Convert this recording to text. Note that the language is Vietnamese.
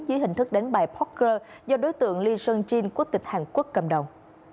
dưới hình thức đánh bài poker do đối tượng lee sung jin quốc tịch hàn quốc cầm đồng